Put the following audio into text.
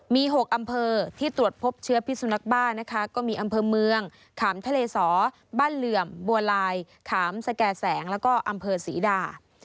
มี๖อำเภอที่ตรวจพบเชื้อพิสุนักบ้านะคะก็มีอำเภอเมืองขามทะเลสอบ้านเหลื่อมบัวลายขามสแก่แสงแล้วก็อำเภอศรีดา